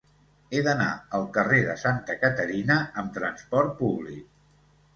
He d'anar al carrer de Santa Caterina amb trasport públic.